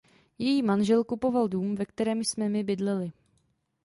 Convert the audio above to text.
Její manžel kupoval dům, ve kterém jsme my bydleli.